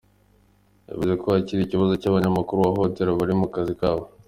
Yavuze ko hakiri ikibazo cy’abanyamakuru bahohoterwa bari mu kazi kabo.